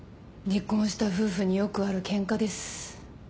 離婚した夫婦によくある喧嘩です。